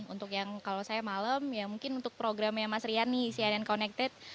untuk yang kalau saya malam ya mungkin untuk programnya mas rian nih cnn connected